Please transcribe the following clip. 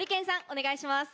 お願いします。